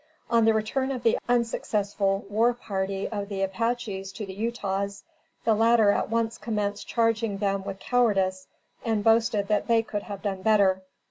On the return of the unsuccessful war party of Apaches to the Utahs, the latter at once commenced charging them with cowardice, and boasted that they could have done better.